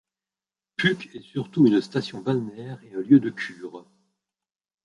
Puck est surtout une station balnéaire et un lieu de cure.